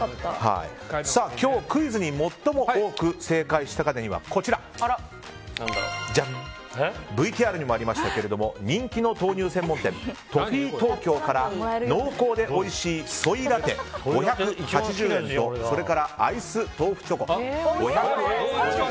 今日、クイズに最も多く正解した方にはＶＴＲにもありましたけど人気の豆乳専門店ＴＯＦＦＥＥｔｏｋｙｏから濃厚でおいしいソイラテ、５８０円とそれからアイス豆腐チョコ、５５０円。